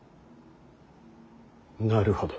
なるほど。